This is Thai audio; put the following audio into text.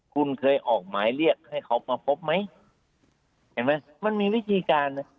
คุณเคยออกหมายเรียกให้เขามาพบไหมเห็นไหมมันมีวิธีการ